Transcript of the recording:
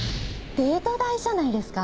デート代じゃないですか？